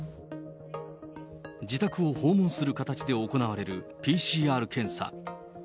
自宅を訪問する形で行われるＰＣＲ検査。